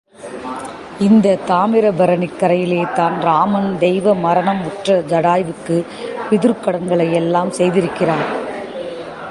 இந்தத் தாமிரபரணிக் கரையிலேதான் ராமன் தெய்வ மரணம் உற்ற சடாயுவுக்கு பிதுர்க்கடன்களை எல்லாம் செய்திருக்கிறான்.